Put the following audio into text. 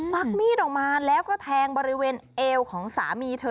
วักมีดออกมาแล้วก็แทงบริเวณเอวของสามีเธอ